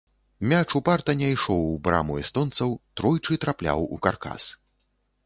Мяч упарта не ішоў у браму эстонцаў, тройчы трапляў у каркас.